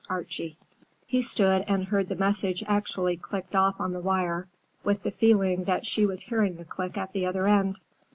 ARCHIE He stood and heard the message actually clicked off on the wire, with the feeling that she was hearing the click at the other end.